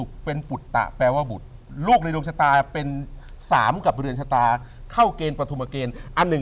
ความตายที่คือ